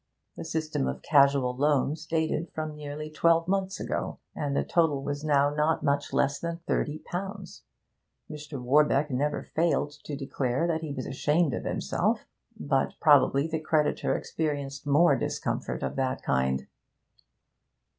The system of casual loans dated from nearly twelve months ago, and the total was now not much less than thirty pounds. Mr. Warbeck never failed to declare that he was ashamed of himself, but probably the creditor experienced more discomfort of that kind.